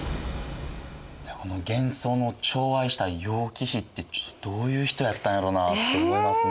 玄宗のちょう愛した楊貴妃ってどういう人やったんやろなって思いますね。